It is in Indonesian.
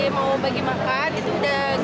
saya sih tidak